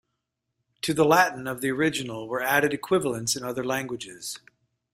To the Latin of the original were added equivalents in other languages.